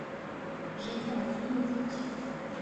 J’étais à la bibliothèque.